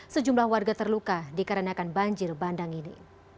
sejumlah warga terluka dikarenakan banjir bandang ini